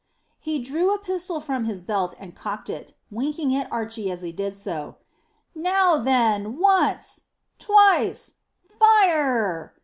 He drew a pistol from his belt and cocked it, winking at Archy as he did so. "Now, then, once twice fire!"